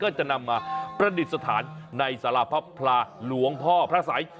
จะนำมาประดิษฐานในสารพระพลาหลวงพ่อพระสัย